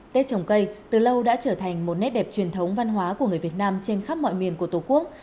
tết trồng cây từ lâu đã trở thành một nét đẹp truyền thống văn hóa của người việt nam trên khắp mọi miền của tổ quốc